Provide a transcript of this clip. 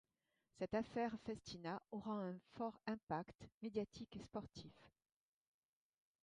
Cette affaire Festina aura un fort impact médiatique et sportif.